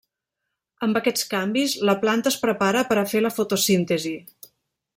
Amb aquests canvis la planta es prepara per a fer la fotosíntesi.